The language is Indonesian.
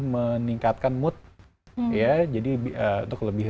meningkatkan mood ya jadi untuk lebih